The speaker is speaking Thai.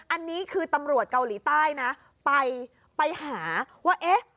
อันนี้คือตำรวจเกาหลีใต้นะไปไปหาว่าเอ๊ะ